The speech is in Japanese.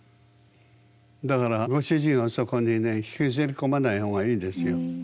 だからご主人をそこにね引きずり込まないほうがいいですよ。